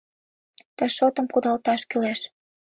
Ты шотым кудалташ кӱлеш.